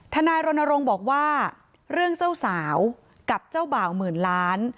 ทนายรณรงค์บอกว่าเรื่องเจ้าสาวกับเจ้าบ่าวหมื่นล้าน